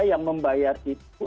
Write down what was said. yang membayar itu